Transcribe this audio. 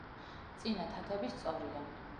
წინა თათები სწორია.